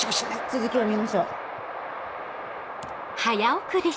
続きを見ましょう。